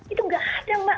itu nggak ada mbak